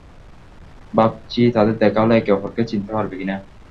ভাবছি তাদের দেখা হলে একে-অপরকে চিনতে পারবে কিনা।